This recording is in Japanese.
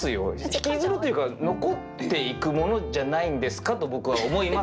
引きずるというか残っていくものじゃないんですかと僕は思いますが。